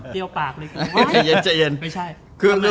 เตรียมปากหรือเปล่ง